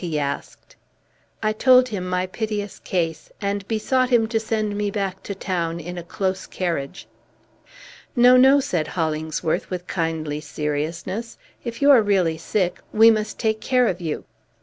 he asked. I told him my piteous case, and besought him to send me back to town in a close carriage. "No, no!" said Hollingsworth with kindly seriousness. "If you are really sick, we must take care of you."